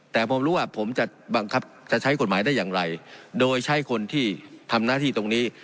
แต่ผมรู้ว่าผมจะบังคับจะใช้กฎหมายได้อย่างไรโดยใช้คนที่ทำหน้าที่ตรงนี้